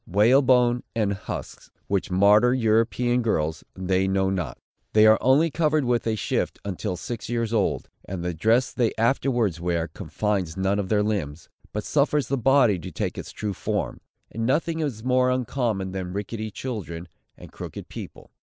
Whalebone and husks, which martyr European girls, they know not. They are only covered with a shift until six years old: and the dress they afterwards wear confines none of their limbs, but suffers the body to take its true form; and nothing is more uncommon than ricketty children, and crooked people.